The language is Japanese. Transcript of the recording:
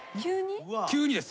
急にです。